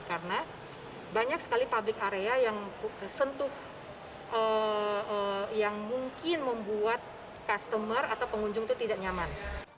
karena banyak sekali public area yang sentuh yang mungkin membuat customer atau pengunjung itu tidak nyaman